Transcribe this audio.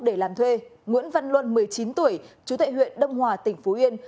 để làm thuê nguyễn văn luân một mươi chín tuổi chú tại huyện đông hòa tỉnh phú yên